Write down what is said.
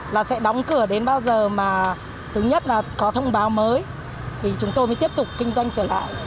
là sẽ đóng cửa đến bao giờ mà thứ nhất là có thông báo mới thì chúng tôi mới tiếp tục kinh doanh trở lại